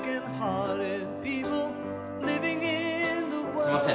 すみません